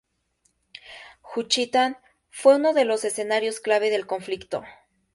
Juchitán fue uno de los escenarios clave del conflicto.